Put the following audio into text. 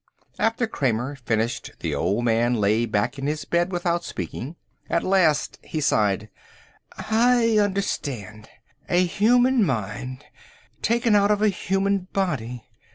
After Kramer finished the old man lay back in the bed without speaking. At last he sighed. "I understand. A human mind, taken out of a human body."